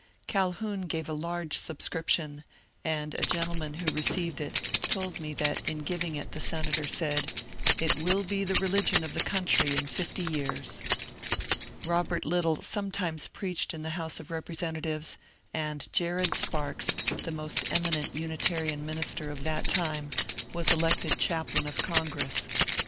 Calhoun gave a large subscription, and a gentleman who received it told me that in giving it the senator said :^^ It will be the religion of the country in fifty years." Bobert Little sometimes preached in the House of Bepresentatives, and Jared Sparks, the most eminent Unitarian minister of that time, was elected chap lain of Congress.